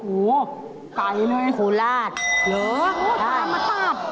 โอ้โฮใกล้เลยโอ้โฮลาดหรือตามมาตาม